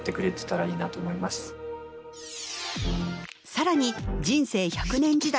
更に人生１００年時代